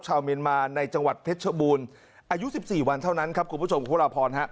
ชาวเมียนมาในจังหวัดเพชรบูนอายุสิบสี่วันเท่านั้นครับคุณผู้ชมครับ